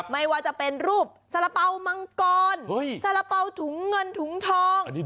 ไม่ว่าจะเป็นรูปสาระเป๋ามังกรสาระเป๋าถุงเงินถุงทอง